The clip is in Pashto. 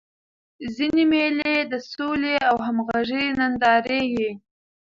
ځيني مېلې د سولي او همږغۍ نندارې يي.